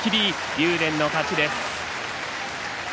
竜電の勝ちです。